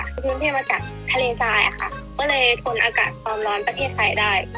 กรุงเทพมาจากทะเลทรายอะค่ะก็เลยทนอากาศความร้อนประเทศไทยได้